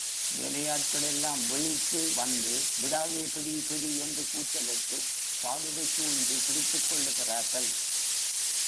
வேலையாட்கள் எல்லாம் விழித்து வந்து, விடாதே பிடி, பிடி என்று கூச்சலிட்டுப் பாலுவைச் சூழ்ந்து பிடித்துக்கொள்ளுகிறார்கள்.